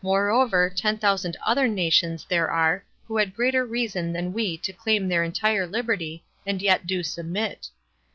Moreover, ten thousand ether nations there are who had greater reason than we to claim their entire liberty, and yet do submit.